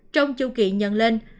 trong chu kỵ nhận lên